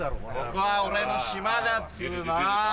ここは俺の島だっつうの。